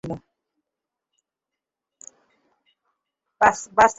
বাস থেকে নামতে চাইলাম আমি, কিন্তু তার আগেই বাসটা ছেড়ে দিল।